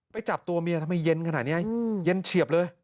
จับตัวเมียทำไมเย็นขนาดนี้เย็นเฉียบเลย